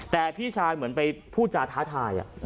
แต่พี่ชายเหมือนไปพูดจาท้าทาย